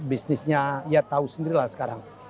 bisnisnya ya tahu sendirilah sekarang